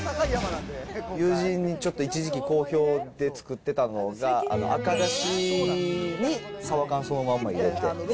友人にちょっと一時期好評で作ってたのが、赤だしにサバ缶そのまま入れて。